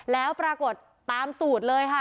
แล้วปรากฏตามสูตรเลยค่ะ